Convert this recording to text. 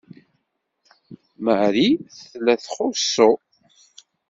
Marie tella txuṣṣu.